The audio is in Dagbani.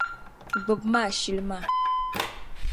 Gbibimi ashili maa.